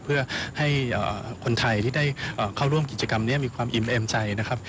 เพื่อให้คนไทยที่ได้เข้าร่วมกิจกรรมนี้มีความอิ่มเอ็มใจนะครับ